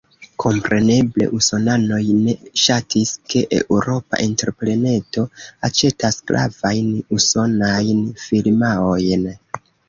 Kompreneble usonanoj ne ŝatis, ke eŭropa entrepreneto aĉetas gravajn usonajn firmaojn.